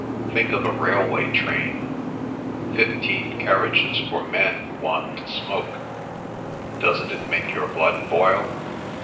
Think of a railway train: fifteen carriages for men who want to smoke. Doesn't it make your blood boil?